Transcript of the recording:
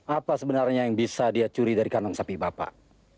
apa sebenarnya yang bisa dia curi dari kandang sapi bapak